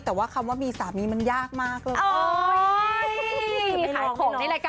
แต่ว่าคำว่ามีสามีมันยากมากเลย